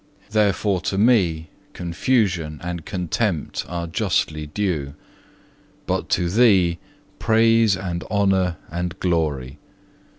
Therefore to me confusion and contempt are justly due, but to Thee praise and honour and glory.